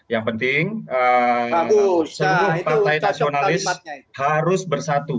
yang penting semua partai nasionalis harus bersatu